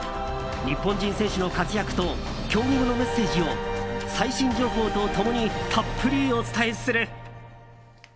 日本人選手の活躍と競技後のメッセージを最新情報と共にたっぷりお伝えする。